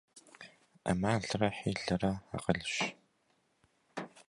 Ӏэмалрэ хьилэрэ акъылщ.